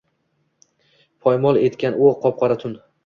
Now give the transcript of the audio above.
Poymol etgan u qop-qora tun.